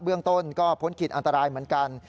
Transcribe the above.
เรื่องต้นก็พ้นขีดอันตรายเหมือนกัน